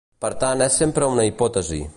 Per tant és sempre una hipòtesi.